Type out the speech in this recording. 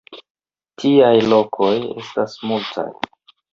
Tiaj lokoj estas multaj.